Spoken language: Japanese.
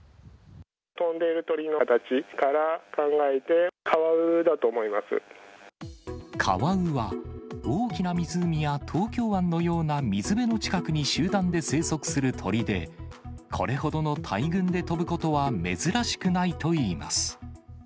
飛んでいる鳥の形から考えて、カワウは、大きな湖や、東京湾のような水辺の近くに集団で生息する鳥で、これほどの大群で飛ぶことは珍しくないといいます。